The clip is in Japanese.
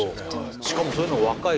しかもそういうのを若い人。